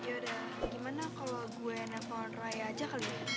yaudah gimana kalau gue nelfon raya aja kali